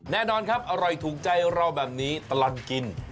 แน่นอนครับอร่อยถูกใจเราแบบนี้ตลอดกิน